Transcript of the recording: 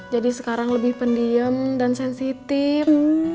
jadi sekarang lebih pendiem dan sensitif